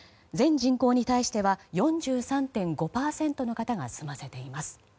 全人口に対しては４３．５％の方が済ませています。